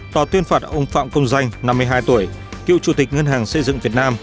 tòa tuyên phạt ông phạm công danh năm mươi hai tuổi cựu chủ tịch ngân hàng xây dựng việt nam